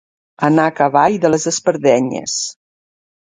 Anar a cavall de les espardenyes.